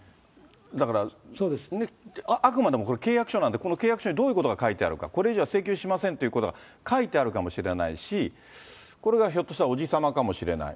だから、あくまでも契約書なんで、この契約書にどういうことが書いてあるか、これ以上は請求しませんということが書いてあるかもしれないし、これがひょっとしたら伯父様かもしれない。